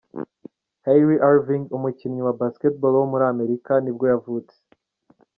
Kyrie Irving, umukinnyi wa basketball wo muri Amerika nibwo yavutse.